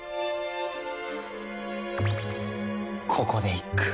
ここで一句。